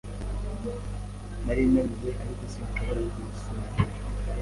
Nari naniwe, ariko sinshobora gusinzira.